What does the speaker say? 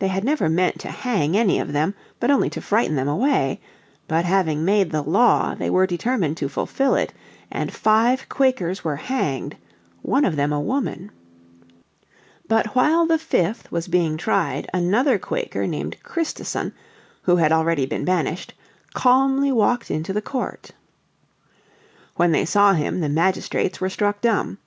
They had never meant to hang any of them, but only to frighten them away. But having made the law, they were determined to fulfil it, and five Quakers were hanged, one of them a woman. But while the fifth was being tried another Quaker named Christison, who had already been banished, calmly walked into the court. When they saw him the magistrates were struck dumb.